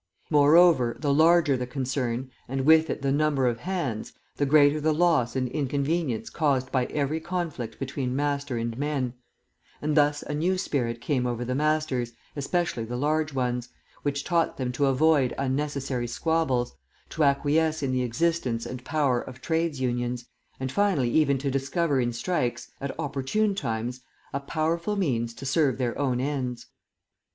Moreover, the larger the concern, and with it the number of hands, the greater the loss and inconvenience caused by every conflict between master and men; and thus a new spirit came over the masters, especially the large ones, which taught them to avoid unnecessary squabbles, to acquiesce in the existence and power of Trades' Unions, and finally even to discover in strikes at opportune times a powerful means to serve their own ends.